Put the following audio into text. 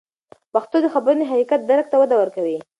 پښتو د خبرونو د حقیقت درک ته وده ورکوي.